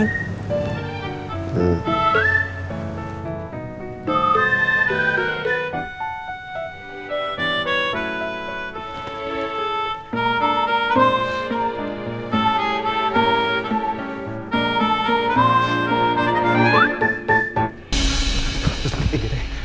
aku gak maksa